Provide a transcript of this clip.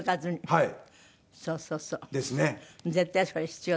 はい。